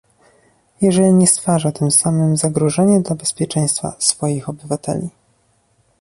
jeżeli nie stwarza tym samym zagrożenia dla bezpieczeństwa swoich obywateli